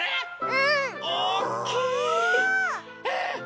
うん！